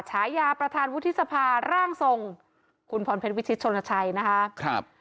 ฉายาประธานวุฒิสภาร่างส่งคุณพเพวิ๙๒นะคะครับ